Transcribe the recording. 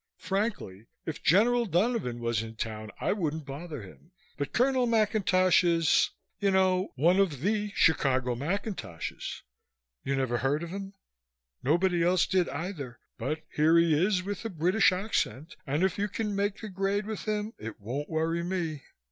Frankly, if General Donovan was in town I wouldn't bother him, but Colonel McIntosh is you know one of the Chicago McIntoshes. You never heard of him? Nobody else did either but here he is with a British accent and if you can make the grade with him it won't worry me."